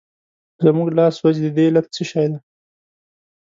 زموږ لاس سوځي د دې علت څه شی دی؟